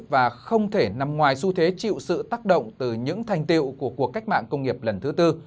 và không thể nằm ngoài xu thế chịu sự tác động từ những thành tiệu của cuộc cách mạng công nghiệp lần thứ tư